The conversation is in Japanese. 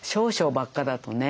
ばっかだとね。